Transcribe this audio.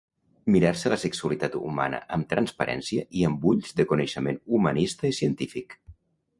Mirar-se la sexualitat humana amb transparència i amb ulls de coneixement humanista i científic